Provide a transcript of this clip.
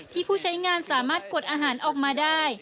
ผู้ใช้งานสามารถกดอาหารออกมาได้